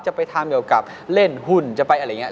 จะไปทำเกี่ยวกับเล่นหุ้นจะไปอะไรอย่างนี้